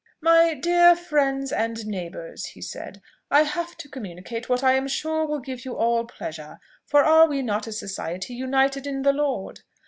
"My dear friends and neighbours," he said, "I have to communicate what I am sure will give you all pleasure: for are we not a society united in the Lord?